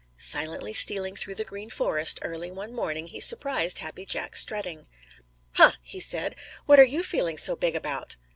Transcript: Silently stealing through the Green Forest early one morning, he surprised Happy Jack strutting. "Huh," said he, "what are you feeling so big about?"